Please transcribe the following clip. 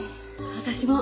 私も。